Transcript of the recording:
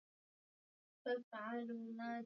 Vikundi vya wakulima husaidia Soko la viazi lishe